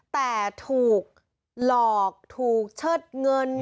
แต่ถูกหลอกถูกเชิดเงิน